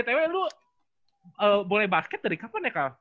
tapi btw lu boleh basket dari kapan ya kal